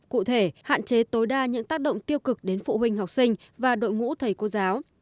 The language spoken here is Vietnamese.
cụ thể hạn chế tối đa những tác động tiêu cực đến phụ huynh học sinh và đội ngũ thầy cô giáo